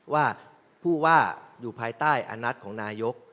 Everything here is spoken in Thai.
ว่าผู้ว่าอยู่ภายใต้อนัดของนายก